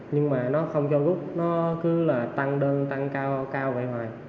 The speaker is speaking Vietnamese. nhưng mà nó không cho gúc nó cứ là tăng đơn tăng cao vậy hoài